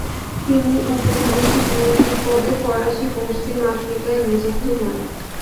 তিনি উপনিবেশিক মন্ত্রীর পদে ফরাসি পশ্চিম আফ্রিকায় নিযুক্ত হন।